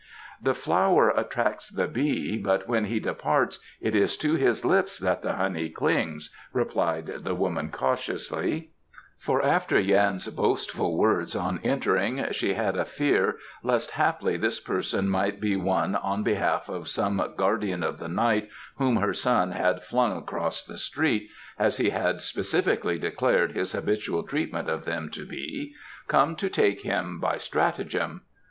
"The flower attracts the bee, but when he departs it is to his lips that the honey clings," replied the woman cautiously; for after Yan's boastful words on entering she had a fear lest haply this person might be one on behalf of some guardian of the night whom her son had flung across the street (as he had specifically declared his habitual treatment of them to be) come to take him by stratagem.